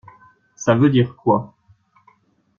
Ça veut dire quoi?